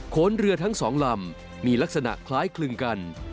ขนเรือทั้งสองลำมีลักษณะคล้ายคลึงกัน